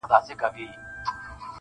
د ګیدړ باټو له حاله وو ایستلی!!